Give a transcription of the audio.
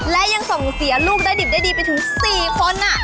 และยังส่งเสียลูกได้ดิบได้ดีไปถึง๔คน